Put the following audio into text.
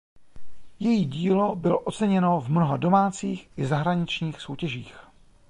Její dílo bylo oceněno v mnoha domácích i zahraničních soutěžích.